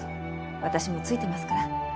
私もついてますから。